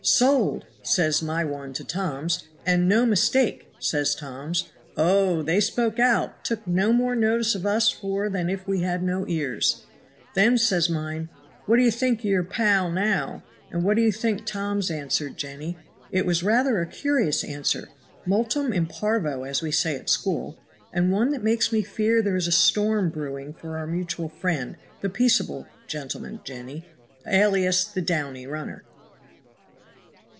"'Sold!' says my one to Tom's. 'And no mistake,' says Tom's. Oh! they spoke out, took no more notice of us four than if we had no ears. Then says mine: 'What do you think of your pal now?' and what do you think Tom's answered, Jenny? it was rather a curious answer multum in parvo as we say at school, and one that makes me fear there is a storm brewing for our mutual friend, the peaceable gentleman, Jenny alias the downy runner."